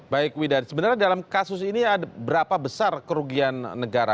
baik wida sebenarnya dalam kasus ini ada berapa besar kerugian negara